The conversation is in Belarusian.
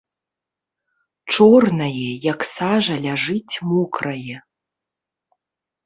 Чорнае, як сажа, ляжыць мокрае.